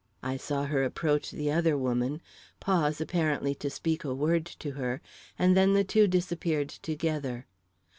I saw her approach the other woman, pause apparently to speak a word to her, and then the two disappeared together.